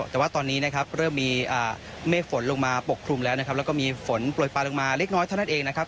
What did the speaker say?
แต่ว่าตอนนี้นะครับเริ่มมีเมฆฝนลงมาปกคลุมแล้วนะครับแล้วก็มีฝนโปรยปลาลงมาเล็กน้อยเท่านั้นเองนะครับ